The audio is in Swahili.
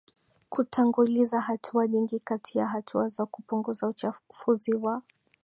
kutanguliza hatua Nyingi kati ya hatua za kupunguza uchafuzi wa